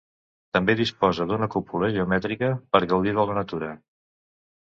També disposa d'una cúpula geomètrica per gaudir de la natura.